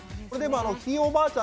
ひいおばあちゃんね